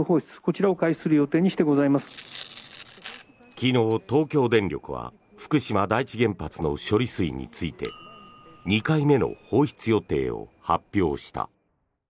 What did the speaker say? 昨日、東京電力は福島第一原発の処理水について２回目の放出予定を発表した。